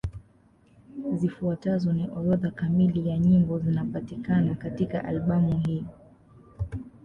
Zifuatazo ni orodha kamili ya nyimbo zinapatikana katika albamu hii.